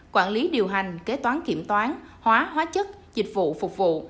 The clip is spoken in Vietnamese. quản lý điều hành kế toán kiểm toán hóa hóa chất dịch vụ phục vụ